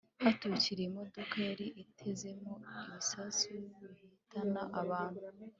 haturikiye imodoka yari itezemo ibisasu bihitana abantu